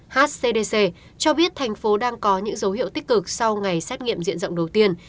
hcdc cho biết thành phố đang có những dấu hiệu tích cực sau ngày xét nghiệm diện rộng đầu tiên